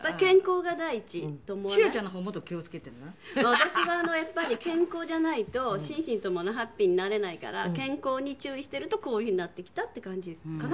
私はやっぱり健康じゃないと心身共にハッピーになれないから健康に注意しているとこういうふうになってきたっていう感じかな。